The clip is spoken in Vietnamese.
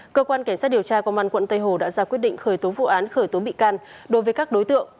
cơ quan cảnh sát điều tra công an quận tây hồ đã ra quyết định khởi tố vụ án khởi tố bị can đối với các đối tượng